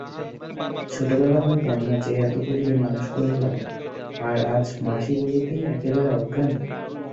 ছোটোবেলা হইতে আমরা যে এত করিয়া মানুষ করিলাম আর আজ মাসি বলিতেই একেবারে অজ্ঞান।